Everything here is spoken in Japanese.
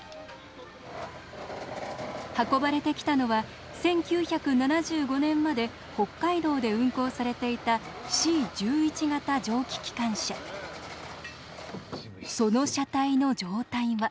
運ばれてきたのは１９７５年まで北海道で運行されていたその車体の状態は。